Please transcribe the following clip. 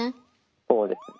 そうですね。